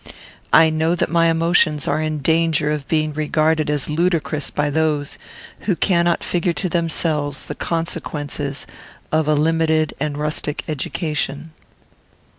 I know that my emotions are in danger of being regarded as ludicrous by those who cannot figure to themselves the consequences of a limited and rustic education.